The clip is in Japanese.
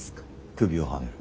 首をはねる。